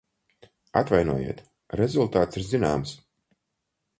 Atvainojiet, rezultāts ir zināms.